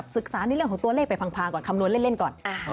ศึกษาในเรื่องของตัวเลขไปพังก่อนคำนวณเล่นก่อน